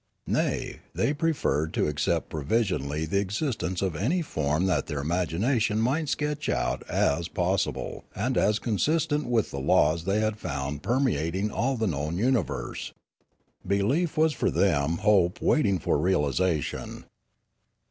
Nay, they preferred to accept provisionally the existence of any form that their imagination might sketch out as possible and as consistent with the laws they had found permeating all the known universe. Belief was for them hope waiting for realisation.